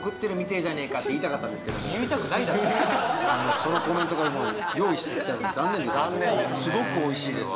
そのコメント用意してきたのに残念です